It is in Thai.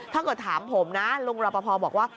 ถ้าเกิดถามผมนะลุงรอปภบอกว่า